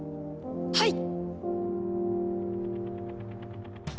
はい！